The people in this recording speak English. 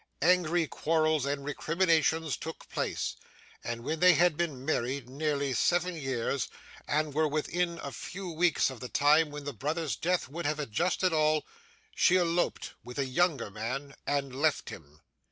Angry quarrels and recriminations took place, and when they had been married nearly seven years, and were within a few weeks of the time when the brother's death would have adjusted all, she eloped with a younger man, and left him.